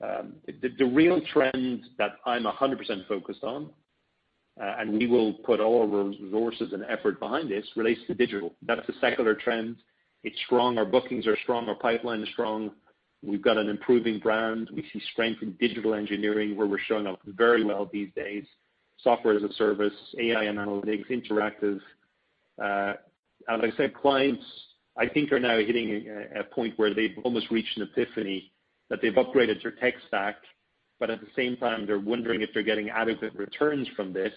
The real trend that I'm 100% focused on, and we will put all resources and effort behind this, relates to digital. That's a secular trend. It's strong. Our bookings are strong. Our pipeline is strong. We've got an improving brand. We see strength in digital engineering, where we're showing up very well these days, software as a service, AI and analytics, interactive. As I said, clients, I think, are now hitting a point where they've almost reached an epiphany that they've upgraded their tech stack, but at the same time, they're wondering if they're getting adequate returns from this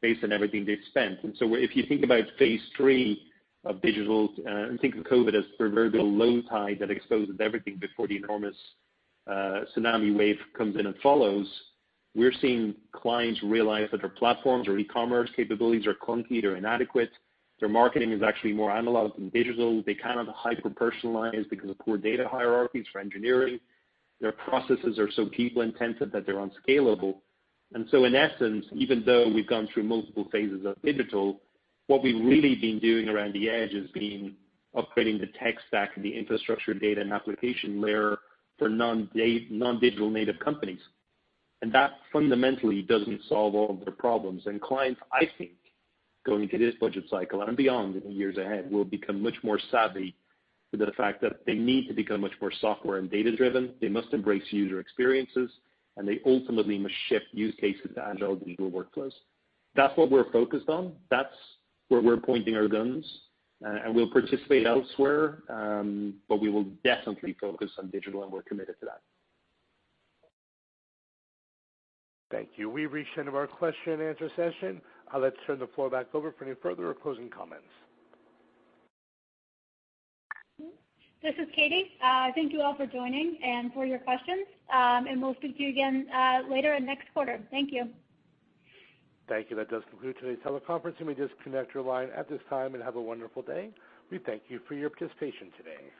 based on everything they've spent. If you think about phase three of digital, and think of COVID as proverbial low tide that exposes everything before the enormous tsunami wave comes in and follows, we're seeing clients realize that their platforms or e-commerce capabilities are clunky, they're inadequate. Their marketing is actually more analog than digital. They cannot hyper-personalize because of poor data hierarchies for engineering. Their processes are so people-intensive that they're unscalable. In essence, even though we've gone through multiple phases of digital, what we've really been doing around the edge has been upgrading the tech stack and the infrastructure data and application layer for non-digital native companies. That fundamentally doesn't solve all of their problems. Clients, I think, going into this budget cycle and beyond in the years ahead, will become much more savvy to the fact that they need to become much more software and data-driven. They must embrace user experiences, and they ultimately must shift use cases to agile digital workflows. That's what we're focused on. That's where we're pointing our guns, and we'll participate elsewhere, but we will definitely focus on digital, and we're committed to that. Thank you. We have reached the end of our question and answer session. Let's turn the floor back over for any further or closing comments. This is Katie. Thank you all for joining and for your questions. We'll speak to you again later and next quarter. Thank you. Thank you. That does conclude today's teleconference. You may disconnect your line at this time, and have a wonderful day. We thank you for your participation today.